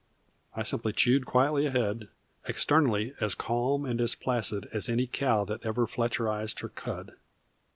I simply chewed quietly ahead, externally as calm and as placid as any cow that ever fletcherized her cud.